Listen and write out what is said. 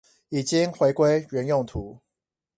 已經回歸原用途